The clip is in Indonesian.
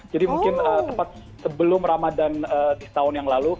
jadi mungkin sepatu sebelum ramadan di setahun yang lalu